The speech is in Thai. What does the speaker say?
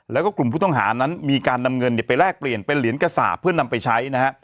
แล้วก็กลุ่มผู้ต้องหานั้นมีการนำเงินไปแลกเปลี่ยนเป็นเหรียญกระสาปเพื่อนำไปใช้นะฮะ